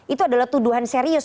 itu adalah tuduhan serius